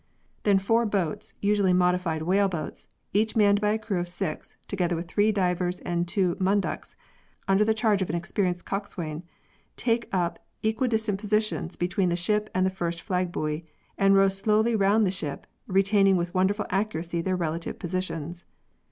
Then four boats (usually modified whale boats), each manned by a crew of six, together with three divers and two munducks, under the charge of an experienced coxswain, take up equi distant positions between the ship and the first flag buoy and row slowly round the ship, retaining with wonderful accuracy their relative positions.